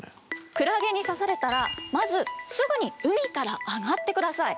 クラゲに刺されたらまずすぐに海から上がって下さい。